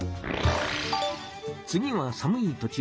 次はさむい土地